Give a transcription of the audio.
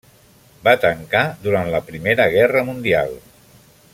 Va tancar durant la Primera Guerra Mundial.